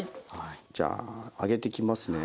じゃあ揚げていきますね。